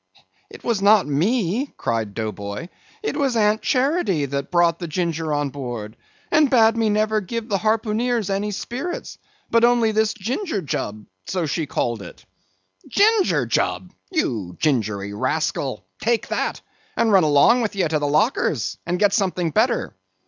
"It was not me," cried Dough Boy, "it was Aunt Charity that brought the ginger on board; and bade me never give the harpooneers any spirits, but only this ginger jub—so she called it." "Ginger jub! you gingerly rascal! take that! and run along with ye to the lockers, and get something better.